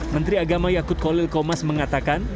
menteri agama yakut kolil komas mengatakan